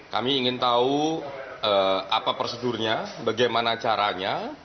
kami ingin tahu apa prosedurnya bagaimana caranya